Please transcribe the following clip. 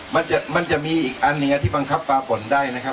มันจะมันจะมีอีกอันเนี้ยที่ปังคับฝ่าผลได้นะครับ